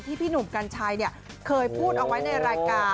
พี่หนุ่มกัญชัยเคยพูดเอาไว้ในรายการ